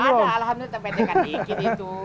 ada alhamdulillah pendekan dikit itu